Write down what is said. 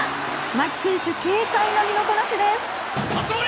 牧選手、軽快な身のこなしです。